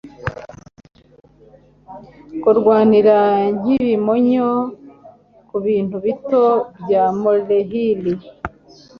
Kurwanira nkibimonyo kubintu bito bya molehill